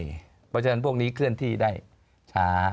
เพราะฉะนั้นพวกนี้เคลื่อนที่ได้ช้า